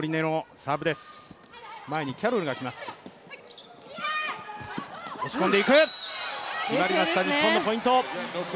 決まりました、日本のポイント。